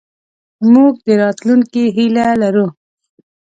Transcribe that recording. موږ د راتلونکې هیله لرو.